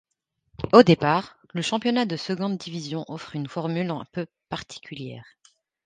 Au départ, le championnat de seconde division offre une formule un peu particulière.